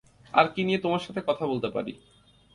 আর কী নিয়ে তোমার সাথে কথা বলতে পারি?